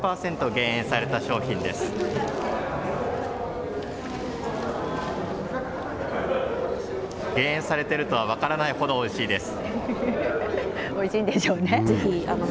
減塩されているとは分からないほどおいしいです。